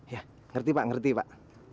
ya ngerti pak ngerti pak